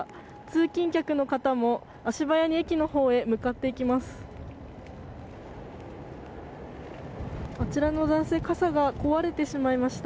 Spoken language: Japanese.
通勤客の方も足早に駅のほうへ向かっていきます。